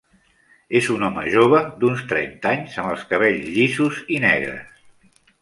És un home jove d'uns trenta anys, amb els cabells llisos i negres.